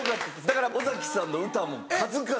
だから尾崎さんの歌も数々。